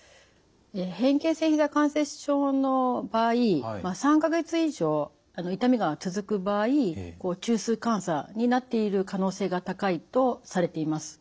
変形性ひざ関節症の場合３か月以上痛みが続く場合中枢感作になっている可能性が高いとされています。